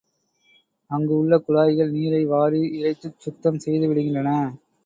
அங்கு உள்ள குழாய்கள் நீரை வாரி இறைத்துச் சுத்தம் செய்து விடுகின்றன.